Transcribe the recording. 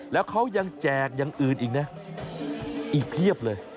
แล้วเขายังแจกอย่างอื่นอีกนะอีกเพียบเลย